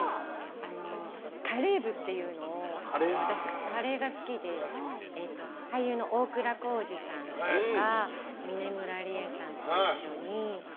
カレー部っていうのを私、カレーが好きで俳優の大倉孝二さんとか峯村リエさんと一緒に。